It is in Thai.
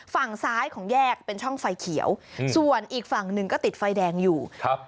ฝั่งซ้ายของแยกเป็นช่องไฟเขียวอืมส่วนอีกฝั่งหนึ่งก็ติดไฟแดงอยู่ครับ